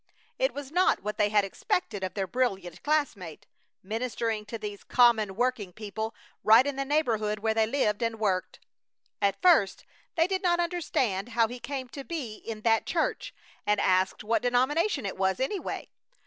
It was not what they had expected of their brilliant classmate, ministering to these common working people right in the neighborhood where they lived and worked. At first they did not understand how he came to be in that church, and asked what denomination it was, anyway.